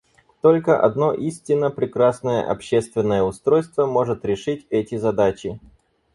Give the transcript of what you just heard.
Только одно истинно прекрасное общественное устройство может решить эти задачи.